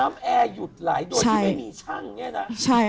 น้ำแอหยุดไหลโดยที่ไม่มีชั่งไงนะ